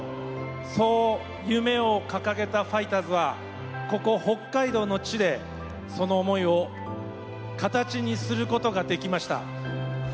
そう夢を掲げたファイターズはここ、北海道の地でその思いを形にすることができました。